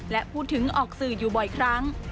และพูดถึงออกสื่ออยู่บ่อยครั้ง